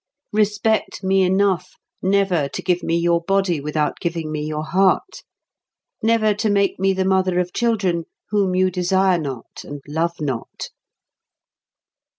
Respect me enough never to give me your body without giving me your heart; never to make me the mother of children whom you desire not and love not."